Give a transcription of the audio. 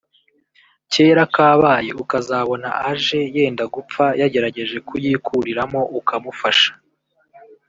kera kabaye ukazabona aje yenda gupfa yagerageje kuyikuriramo ukamufasha